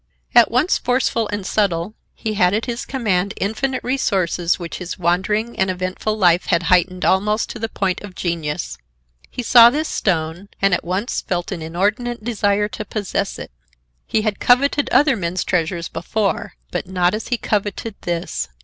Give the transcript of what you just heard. At once forceful and subtle, he had at his command infinite resources which his wandering and eventful life had heightened almost to the point of genius. He saw this stone, and at once felt an inordinate desire to possess it. He had coveted other men's treasures before, but not as he coveted this.